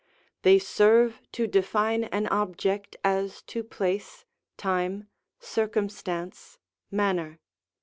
They serve to define an object, as to place, time, circumstance, manner.